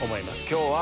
今日は。